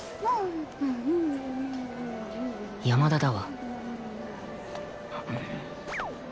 山田だわ